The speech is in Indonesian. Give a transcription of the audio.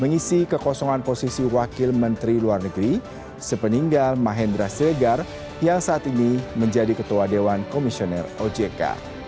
mengisi kekosongan posisi wakil menteri luar negeri sepeninggal mahendra seregar yang saat ini menjadi ketua dewan komisioner ojk